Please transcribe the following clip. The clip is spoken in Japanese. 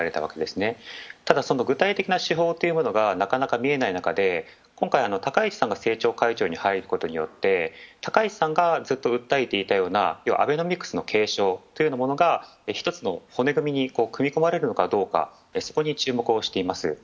ただ具体的な手法がなかなか見えない中で、今回、高市さんが政調会長に入ることによって高市さんがずっと訴えていたような、要はアベノミクスの継承というものが一つの骨組みに組み込まれるのかどうか、そこに注目しています。